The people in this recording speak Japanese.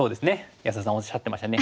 安田さんおっしゃってましたね。